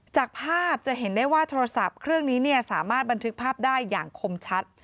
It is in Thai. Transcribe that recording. จากภาพจะเห็นได้ว่าโทรศัพท์เครื่องนี้สามารถบันทึกภาพได้อย่างคมชัด